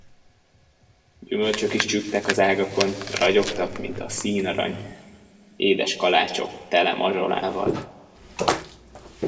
Gyümölcsök is csüggtek az ágakon, ragyogtak, mint a színarany; édes kalácsok, tele mazsolával.